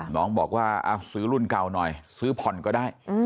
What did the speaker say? น้องบอกว่าซื้อรุ่นเก่าหน่อยซื้อผ่อนก็ได้